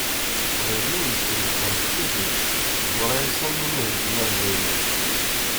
Aqbayli yettwet ɣer tkatut, teḍṛa-as am win ihelken alzaymer.